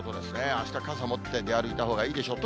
あした、傘持って出歩いたほうがいいでしょう。